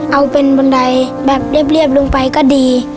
เอาเป็นบันไดแบบเรียบลงไปก็ดี